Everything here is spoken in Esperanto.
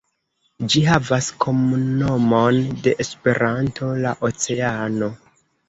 Ĝi havas kromnomon de Esperanto: "La Oceano".